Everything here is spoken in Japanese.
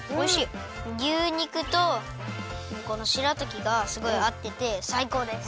牛肉とこのしらたきがすごいあっててさいこうです。